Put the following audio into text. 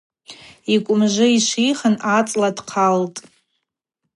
Йкӏвымжвы йшвихын ацӏла дхъалтӏ.